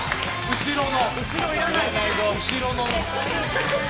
後ろの。